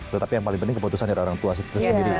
tetapi yang paling penting keputusan dari orang tua itu sendiri